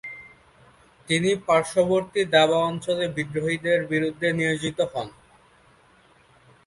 তিনি পার্শ্ববর্তী দাবা অঞ্চলের বিদ্রোহীদের বিরুদ্ধে নিয়োজিত হন।